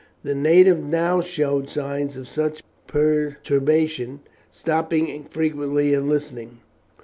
The native now showed signs of much perturbation, stopping frequently and listening.